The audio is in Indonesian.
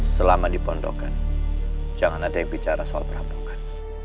selama dipondokan jangan ada yang bicara soal rampokan